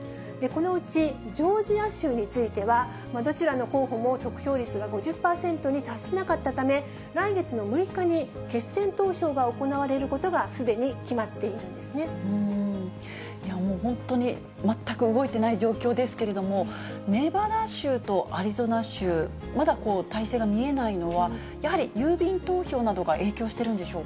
このうちジョージア州については、どちらの候補も得票率が５０％に達しなかったため、来月の６日に決選投票が行われることがすでに決まっているんですもう本当に、全く動いてない状況ですけれども、ネバダ州とアリゾナ州、まだ大勢が見えないのは、やはり郵便投票などが影響してるんでし